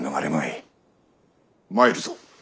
参るぞ。